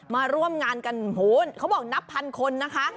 มาร่วมงานกันเขาบอกนับพันคนนะคะ